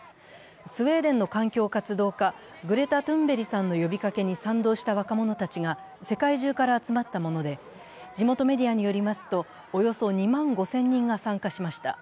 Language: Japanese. スウェーデンの環境活動家、グレタ・トゥンベリさんの呼びかけに賛同した若者たちが世界中から集まったもので地元メディアによりますと、およそ２万５０００人が参加しました。